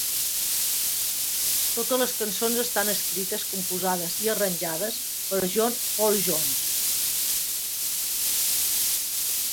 Totes les cançons estan escrites, compostes i arranjades per John Paul Jones.